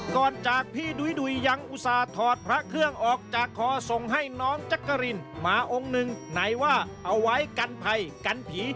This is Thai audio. ก่อนจากพี่ดุยยังอุตส่าหอดพระเครื่องออกจากคอส่งให้น้องจักรินมาองค์หนึ่งไหนว่าเอาไว้กันภัยกันผี